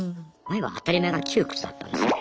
前は当たり前が窮屈だったんですよね。